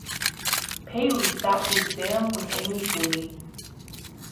Paley sat the exam with Amy Bulley.